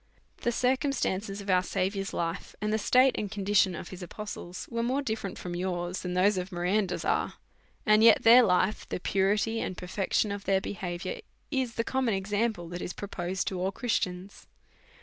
The circum stances of our Saviours life, and the state and condi tion of his apostles, was more dirferent from yours than that of Miranda's is ; and yet tiieir life, the puri ty and perfection of their beliaviour, is the common example that is proposed to all Christians.